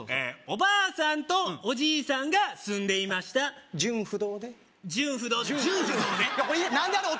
えおばあさんとおじいさんが住んでいました順不同で順不同順不同で！？